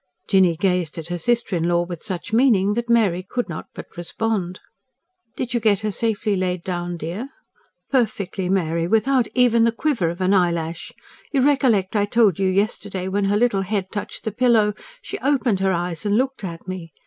Jinny gazed at her sister in law with such meaning that Mary could not but respond. "Did you get her safely laid down, dear?" "Perfectly, Mary! Without even the quiver of an eyelash. You recollect, I told you yesterday when her little head touched the pillow, she opened her eyes and looked at me.